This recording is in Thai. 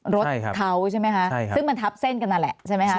รถเขาใช่ไหมคะซึ่งมันทับเส้นกันนั่นแหละใช่ไหมคะ